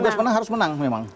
bebas menang harus menang memang